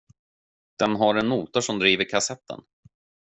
Den har en motor som driver kassetten.